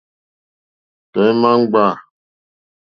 Tɔ̀ímá ŋɡbâ.